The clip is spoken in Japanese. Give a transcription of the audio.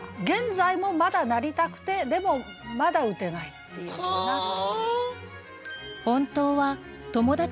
現在もまだなりたくてでもまだ打てないっていうような。